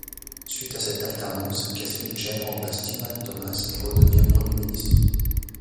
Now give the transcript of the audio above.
Suite à cette alternance, Keith Mitchell remplace Tillman Thomas et redevient Premier ministre.